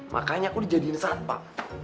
makanya aku dijadiin sampah